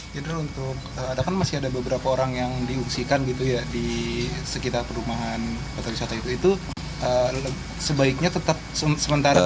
jadi untuk adakah masih ada beberapa orang yang diungsikan di sekitar perumahan kota wisata itu sebaiknya tetap sementara